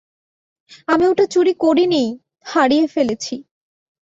আমি ওটা চুরি করিনি, হারিয়ে ফেলেছি।